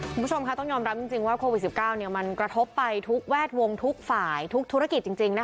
คุณผู้ชมค่ะต้องยอมรับจริงว่าโควิด๑๙มันกระทบไปทุกแวดวงทุกฝ่ายทุกธุรกิจจริงนะคะ